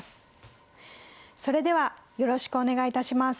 それではよろしくお願いいたします。